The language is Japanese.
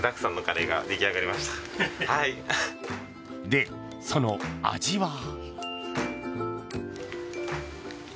で、その味は。